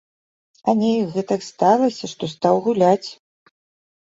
А неяк гэтак сталася, што стаў гуляць.